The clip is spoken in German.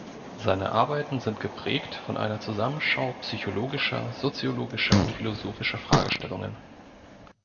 Seine Arbeiten sind geprägt von einer Zusammenschau psychologischer, soziologischer und philosophischer Fragestellungen.